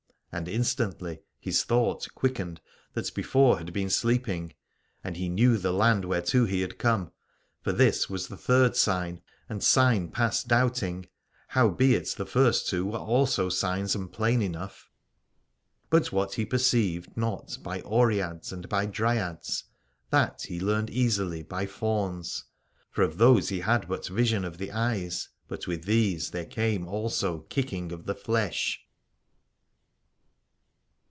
And instantly his thought quickened that before had been sleeping : and he knew the land whereto he had come. For this was the third sign, and sign past doubting : howbeit the first two were also signs and plain enough. But what he perceived not by Oreads and by Dryads, that he learned easily by Fauns : for of those he had but vision of the eyes, but with these there came also kicking of the flesh.